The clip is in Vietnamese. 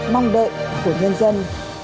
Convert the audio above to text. mong đợi của nhân dân